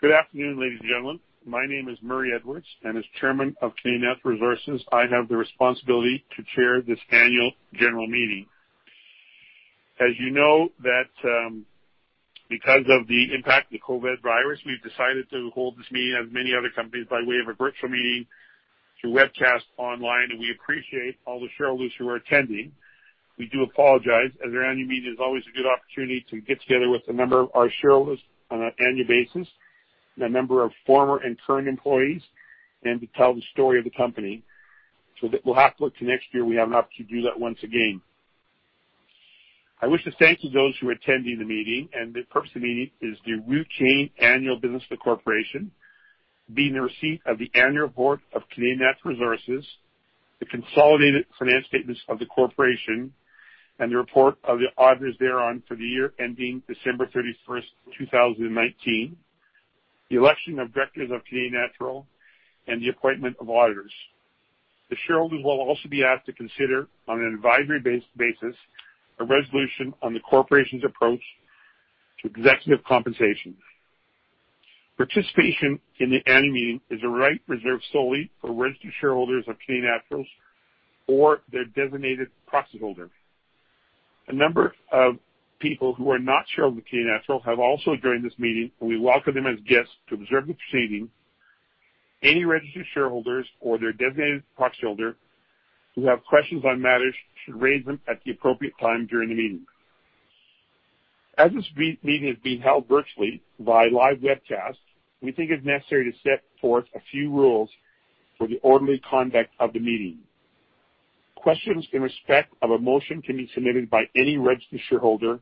Good afternoon, ladies and gentlemen. My name is Murray Edwards, As Chairman of Canadian Natural Resources, I have the responsibility to chair this Annual General Meeting. As you know, because of the impact of the COVID, we've decided to hold this meeting, as many other companies, by way of a virtual meeting through webcast online, and we appreciate all the shareholders who are attending. We do apologize, as our annual meeting is always a good opportunity to get together with a number of our shareholders on an annual basis, and a number of former and current employees, and to tell the story of the company. We'll have to look to next year, we have an opportunity to do that once again. I wish to thank you those who are attending the meeting, and the purpose of the meeting is the routine annual business of the corporation. Being the receipt of the annual report of Canadian Natural Resources, the consolidated financial statements of the corporation, and the report of the auditors thereon for the year ending December 31st, 2019, the election of directors of Canadian Natural, and the appointment of auditors. The shareholders will also be asked to consider, on an advisory basis, a resolution on the corporation's approach to executive compensation. Participation in the annual meeting is a right reserved solely for registered shareholders of Canadian Natural's or their designated proxy holder. A number of people who are not shareholders of Canadian Natural have also joined this meeting. We welcome them as guests to observe the proceeding. Any registered shareholders or their designated proxy holder who have questions on matters should raise them at the appropriate time during the meeting. As this meeting is being held virtually via live webcast, we think it's necessary to set forth a few rules for the orderly conduct of the meeting. Questions in respect of a motion can be submitted by any registered shareholder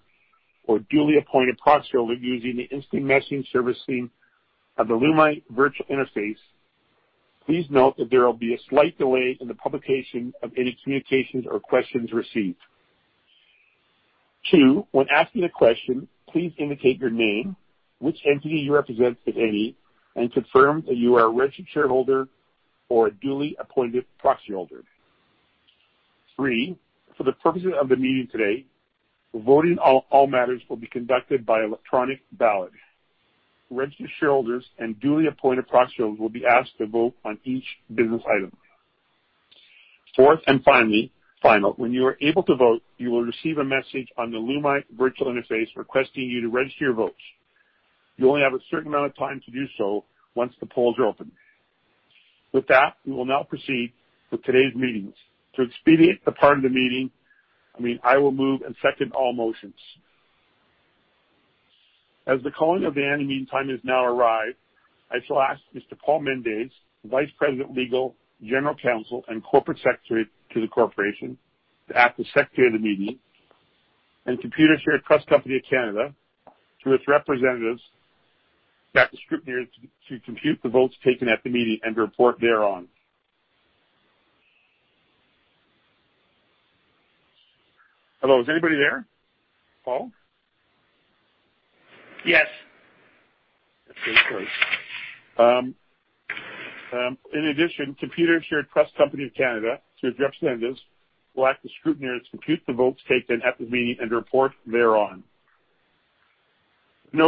or duly appointed proxy holder using the instant messaging servicing of the Lumi Virtual interface. Please note that there will be a slight delay in the publication of any communications or questions received. Two, when asking a question, please indicate your name, which entity you represent, if any, and confirm that you are a registered shareholder or a duly appointed proxy holder. Three, for the purposes of the meeting today, the voting on all matters will be conducted by electronic ballot. Registered shareholders and duly appointed proxy holders will be asked to vote on each business item. Fourth and final, when you are able to vote, you will receive a message on the Lumi Virtual interface requesting you to register your votes. You only have a certain amount of time to do so once the polls are open. With that, we will now proceed with today's meetings. To expedite the part of the meeting, I will move and second all motions. As the calling of the annual meeting time has now arrived, I shall ask Mr. Paul Mendes, Vice President, Legal, General Counsel, and Corporate Secretary to the Corporation, to act as Secretary of the meeting, and Computershare Trust Company of Canada, through its representatives, that the scrutineers to compute the votes taken at the meeting and to report thereon. Hello, is anybody there? Paul? Yes. Okay, great. In addition, Computershare Trust Company of Canada, through its representatives, will act as scrutineers to compute the votes taken at the meeting and to report thereon. The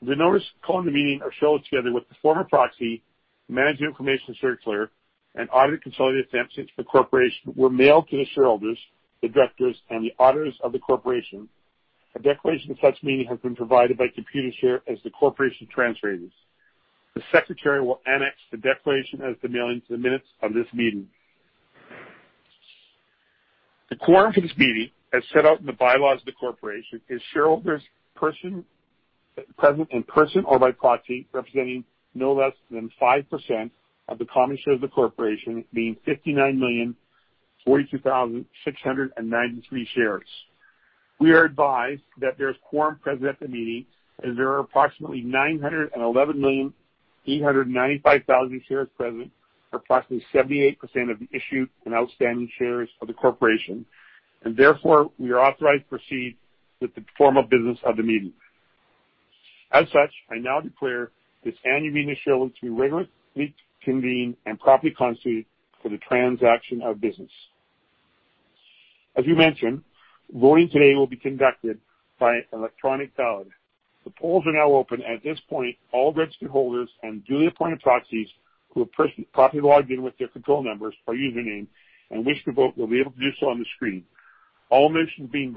notice calling the meeting as shown together with the form of proxy, Management Information Circular, and audit consolidated statements of the corporation were mailed to the shareholders, the directors, and the auditors of the corporation. A declaration of such meeting has been provided by Computershare as the corporation's transfer agents. The secretary will annex the declaration as to mailing to the minutes of this meeting. The quorum for this meeting, as set out in the bylaws of the corporation, is shareholders present in person or by proxy, representing no less than 5% of the common shares of the corporation, being 59,042,693 shares. We are advised that there is quorum present at the meeting, as there are approximately 911,895,000 shares present for approximately 78% of the issued and outstanding shares of the corporation. Therefore, we are authorized to proceed with the formal business of the meeting. As such, I now declare this annual meeting of shareholders to be regularly convened and properly constituted for the transaction of business. As we mentioned, voting today will be conducted by electronic ballot. The polls are now open. At this point, all registered holders and duly appointed proxies who have properly logged in with their control numbers or username and wish to vote will be able to do so on the screen on all motions being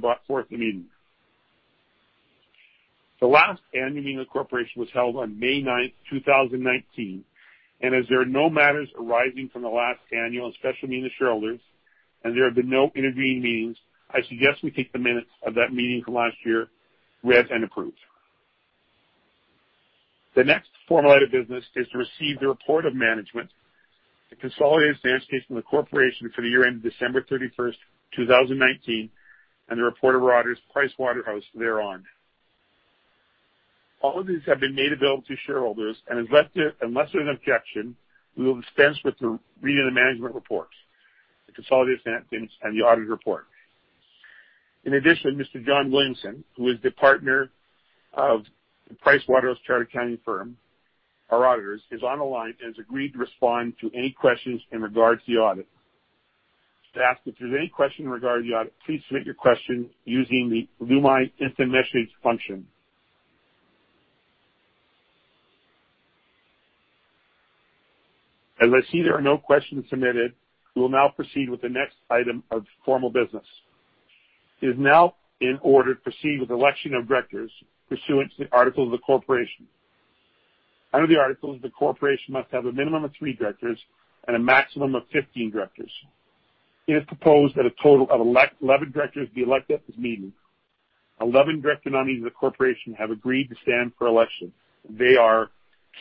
brought forth at the meeting. The last annual meeting of the corporation was held on May 9th, 2019. As there are no matters arising from the last annual and special meeting of shareholders, there have been no intervening meetings, I suggest we take the minutes of that meeting from last year read and approved. The next formal item of business is to receive the report of management, the consolidated financial statements from the corporation for the year ending December 31st, 2019. The report of auditors PricewaterhouseCoopers thereon. All of these have been made available to shareholders. Unless there's an objection, we will dispense with the reading of the management reports, the consolidated financial statements, and the auditor report. In addition, Mr. John Williamson, who is the partner of PricewaterhouseCoopers, our auditors, is online and has agreed to respond to any questions in regards to the audit. To ask if there's any question regarding the audit, please submit your question using the Lumi instant message function. As I see there are no questions submitted, we will now proceed with the next item of formal business. It is now in order to proceed with the election of directors pursuant to the articles of the corporation. Under the articles, the corporation must have a minimum of three directors and a maximum of 15 directors. It is proposed that a total of 11 directors be elected at this meeting. 11 director nominees of the corporation have agreed to stand for election. They are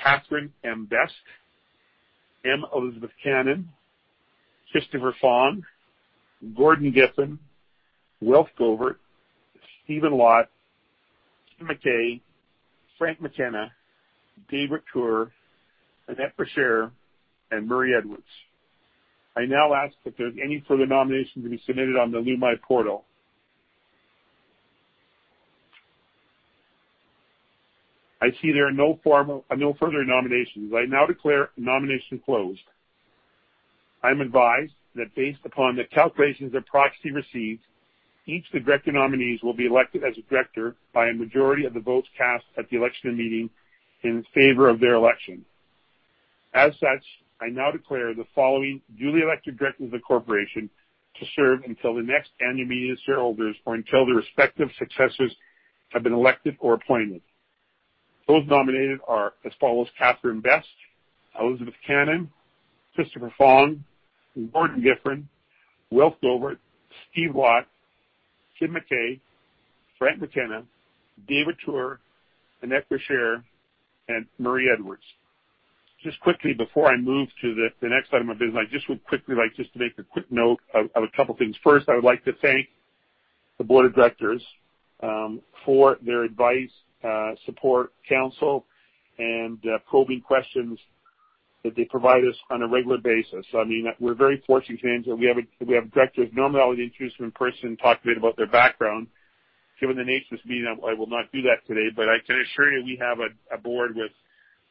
Catherine M. Best, M. Elizabeth Cannon, Christopher Fong, Gordon Giffin, Wilfred A. Gobert, Steve Laut, Tim McKay, Frank McKenna, David Tuer, Annette Verschuren, and Murray Edwards. I now ask if there's any further nominations to be submitted on the Lumi portal. I see there are no further nominations. I now declare nomination closed. I'm advised that based upon the calculations of proxy received, each of the director nominees will be elected as a director by a majority of the votes cast at the election meeting in favor of their election. As such, I now declare the following duly elected directors of the corporation to serve until the next annual meeting of shareholders or until their respective successors have been elected or appointed. Those nominated are as follows: Catherine Best, Elizabeth Cannon, Christopher Fong, Gordon Giffin, Wilfred A. Gobert, Steve Laut, Tim McKay, Frank McKenna, David Tuer, Annette Verschuren, and Murray Edwards. Just quickly, before I move to the next item of business, I would quickly like to make a quick note of a couple things. First, I would like to thank the Board of Directors for their advice, support, counsel, and probing questions that they provide us on a regular basis. We're very fortunate, James, that we have directors. Normally, I would introduce them in person, talk a bit about their background. Given the nature of this meeting, I will not do that today, but I can assure you we have a Board with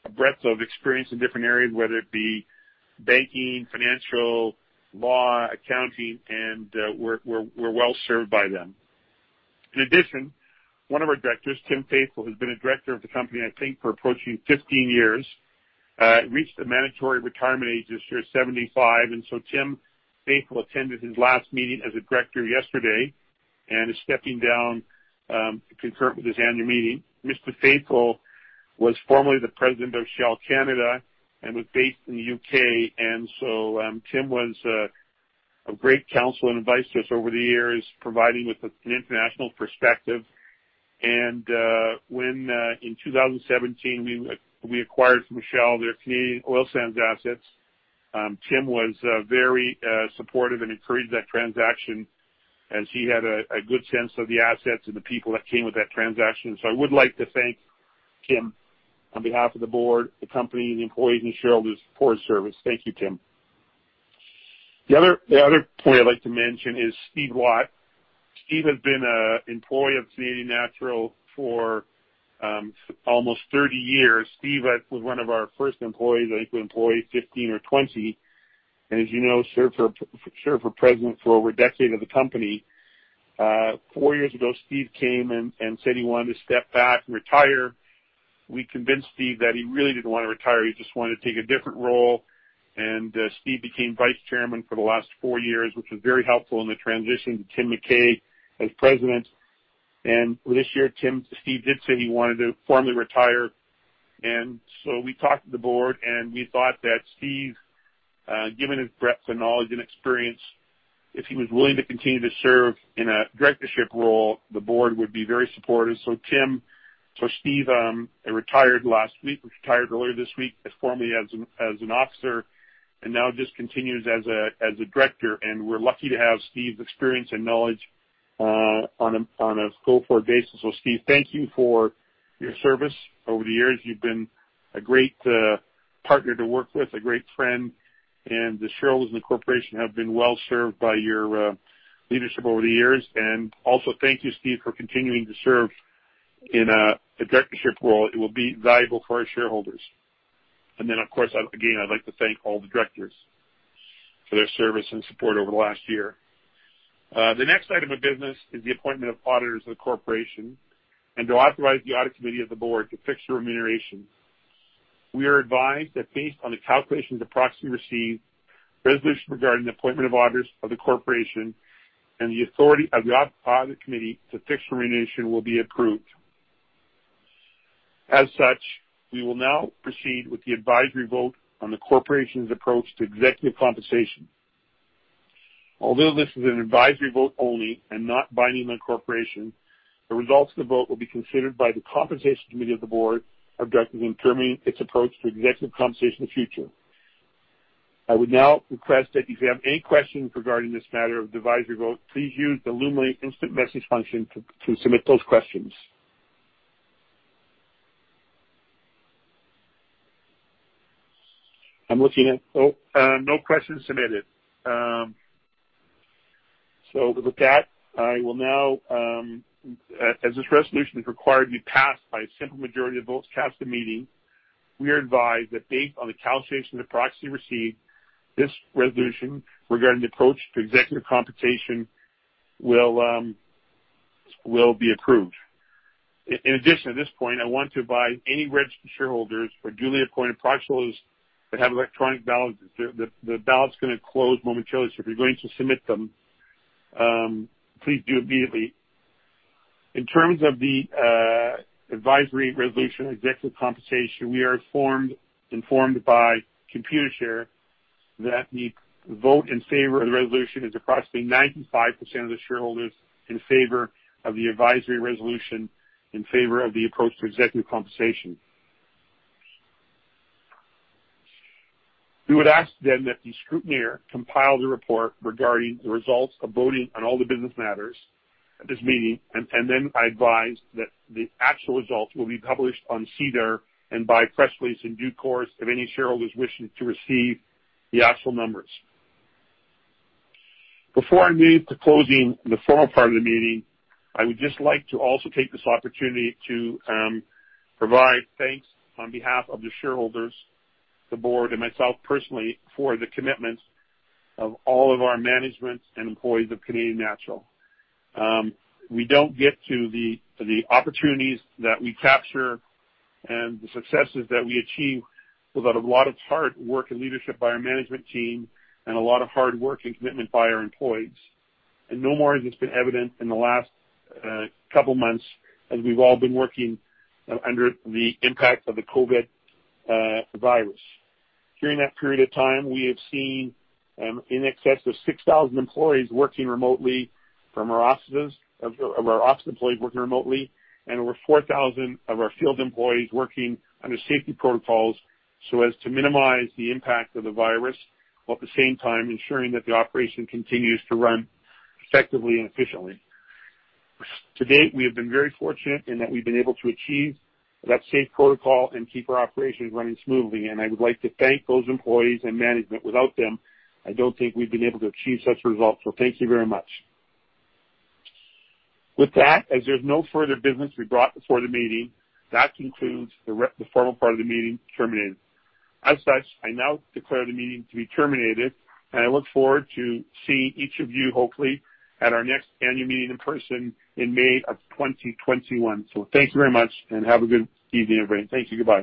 a breadth of experience in different areas, whether it be banking, financial, law, accounting, and we're well-served by them. In addition, one of our Directors, Tim Faithfull, who's been a Director of the company, I think for approaching 15 years, reached the mandatory retirement age this year, 75. Tim Faithfull attended his last meeting as a director yesterday and is stepping down concurrent with this annual meeting. Mr. Faithfull was formerly the President of Shell Canada and was based in the U.K. Tim was a great counsel and advice to us over the years, providing with an international perspective. When in 2017, we acquired from Shell their Canadian oil sands assets, Tim was very supportive and encouraged that transaction as he had a good sense of the assets and the people that came with that transaction. I would like to thank Tim on behalf of the board, the company, the employees, and the shareholders for his service. Thank you, Tim. The other point I'd like to mention is Steve Laut. Steve has been an employee of Canadian Natural for almost 30 years. Steve was one of our first employees, I think we employed 15 or 20, and as you know, served for President for over a decade of the company. Four years ago, Steve came and said he wanted to step back and retire. We convinced Steve that he really didn't want to retire, he just wanted to take a different role, and Steve became Vice Chairman for the last four years, which was very helpful in the transition to Tim McKay as President. This year, Steve did say he wanted to formally retire, and so we talked to the board, and we thought that Steve, given his breadth of knowledge and experience, if he was willing to continue to serve in a directorship role, the board would be very supportive. Steve retired last week. He retired earlier this week, formally as an officer, and now just continues as a director, and we're lucky to have Steve's experience and knowledge on a go-forward basis. Steve, thank you for your service over the years. You've been a great partner to work with, a great friend, and the shareholders and the corporation have been well-served by your leadership over the years. Also, thank you, Steve, for continuing to serve in a directorship role. It will be valuable for our shareholders. Of course, again, I'd like to thank all the directors for their service and support over the last year. The next item of business is the appointment of auditors of the corporation and to authorize the audit committee of the board to fix the remuneration. We are advised that based on the calculations of proxy received, resolution regarding the appointment of auditors of the corporation and the authority of the audit committee to fix remuneration will be approved. As such, we will now proceed with the advisory vote on the corporation's approach to executive compensation. Although this is an advisory vote only and not binding on the corporation, the results of the vote will be considered by the Compensation Committee of the board of directors in determining its approach to executive compensation in the future. I would now request that if you have any questions regarding this matter of advisory vote, please use the Lumi instant message function to submit those questions. I'm looking at no questions submitted. With that, as this resolution is required to be passed by a simple majority of votes cast at the meeting, we are advised that based on the calculation of the proxy received, this resolution regarding the approach to executive compensation will be approved. In addition, at this point, I want to advise any registered shareholders for duly appointed proxy holders that have electronic ballots, the ballot's going to close momentarily. If you're going to submit them, please do immediately. In terms of the advisory resolution on executive compensation, we are informed by Computershare that the vote in favor of the resolution is approximately 95% of the shareholders in favor of the advisory resolution, in favor of the approach to executive compensation. We would ask then that the scrutineer compile the report regarding the results of voting on all the business matters at this meeting. I advise that the actual results will be published on SEDAR and by press release in due course if any shareholders wishing to receive the actual numbers. Before I move to closing the formal part of the meeting, I would just like to also take this opportunity to provide thanks on behalf of the shareholders, the board, and myself personally, for the commitment of all of our management and employees of Canadian Natural. We don't get to the opportunities that we capture and the successes that we achieve without a lot of hard work and leadership by our management team and a lot of hard work and commitment by our employees. No more has this been evident in the last couple of months as we've all been working under the impact of the COVID. During that period of time, we have seen in excess of 6,000 employees working remotely from our offices, of our office employees working remotely, and over 4,000 of our field employees working under safety protocols so as to minimize the impact of the virus, while at the same time ensuring that the operation continues to run effectively and efficiently. To date, we have been very fortunate in that we've been able to achieve that safe protocol and keep our operations running smoothly, and I would like to thank those employees and management. Without them, I don't think we'd been able to achieve such results. Thank you very much. With that, as there's no further business we brought before the meeting, that concludes the formal part of the meeting terminated. As such, I now declare the meeting to be terminated, and I look forward to seeing each of you, hopefully, at our next annual meeting in person in May of 2021. Thank you very much and have a good evening, everybody. Thank you. Goodbye.